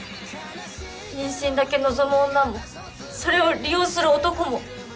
妊娠だけ望む女もそれを利用する男も。